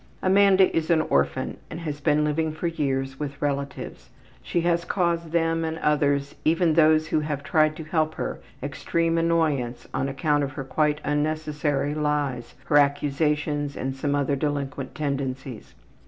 Amanda is an orphan and has been living for years with relatives. She has caused them and others, even those who have tried to help her, extreme annoyance on account of her quite unnecessary lies, her accusations, and some other delinquent tendencies.